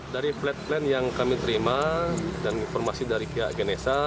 dari flat plan yang kami terima dan informasi dari pihak ganesa